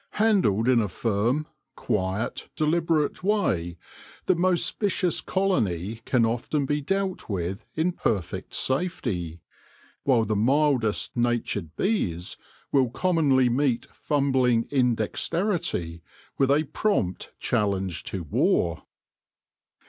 Handled in a firm, quiet, deliberate way, the most vicious colony can often be dealt with in perfect safety ; while the mildest natured bees will commonly meet fumbling indexterity with a prompt challenge to war.